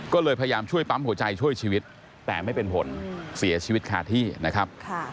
ก็เลยพยายามช่วยปั๊มหัวใจช่วยชีวิตแต่ไม่เป็นผลเสียชีวิตคาที่นะครับ